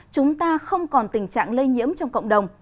chúng ta không còn tình trạng lây nhiễm trong cộng đồng